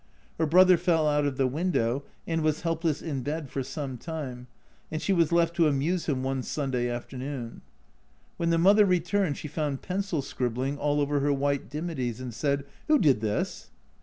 Her brother fell out of the window and was helpless in bed for some time, and she was left to amuse him one Sunday afternoon. When the mother returned she found pencil scribbling all over her white dimities, and said, "Who did this?"